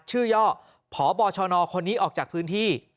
ย่อพบชนคนนี้ออกจากพื้นที่